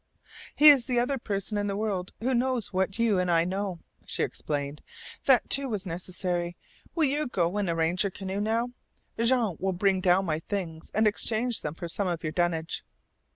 "He is the one other person in the world who knows what you and I know," she explained. "That, too, was necessary. Will you go and arrange your canoe now? Jean will bring down my things and exchange them for some of your dunnage."